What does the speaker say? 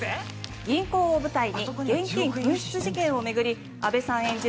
銀行を舞台に現金紛失事件を巡り阿部さん演じる